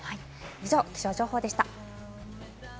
以上、気象情報でした。